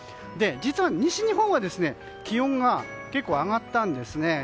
実は西日本は気温が結構上がったんですね。